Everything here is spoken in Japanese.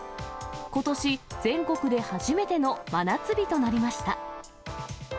ことし全国で初めての真夏日となりました。